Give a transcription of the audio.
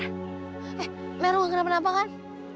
eh mer lu gak kenapa napa kan